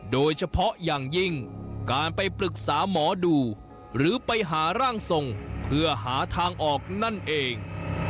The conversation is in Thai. โดยเฉพาะอย่างยิ่งการไปปรึกษาหมอดูหรือไปหาร่างทรงเพื่อหาทางออกนั่นเอง